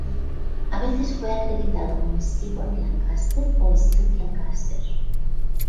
A veces fue acreditado como Stewart Lancaster o Stud Lancaster.